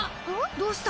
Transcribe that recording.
どうした？